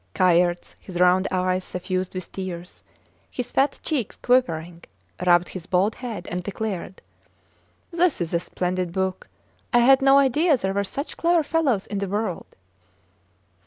Kayerts, his round eyes suffused with tears, his fat cheeks quivering, rubbed his bald head, and declared. This is a splendid book. I had no idea there were such clever fellows in the world.